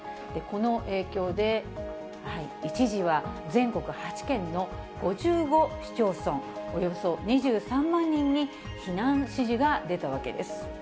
この影響で、一時は、全国８県の５５市町村、およそ２３万人に避難指示が出たわけです。